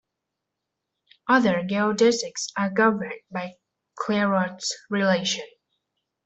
Other geodesics are governed by Clairaut's relation.